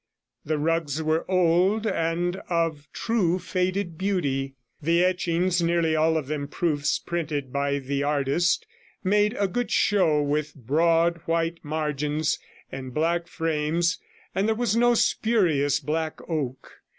The rugs were old, and of the true faded beauty; the etchings, nearly all of them proofs printed by the artist, made a good show with broad white margins and black frames, and there was no spurious black oak.